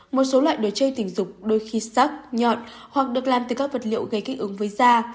một số loại đồ chơi tình dục đôi khi sắc nhọn hoặc được làm từ các vật liệu gây kích ứng với da